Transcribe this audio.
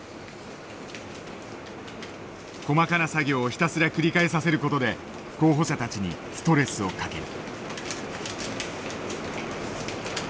細かな作業をひたすら繰り返させる事で候補者たちにストレスをかける。